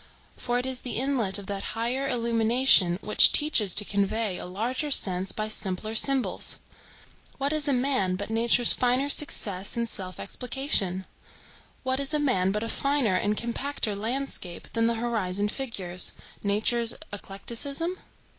for it is the inlet of that higher illumination which teaches to convey a larger sense by simpler symbols. What is a man but nature's finer success in self explication? What is a man but a finer and compacter landscape than the horizon figures,—nature's eclecticism?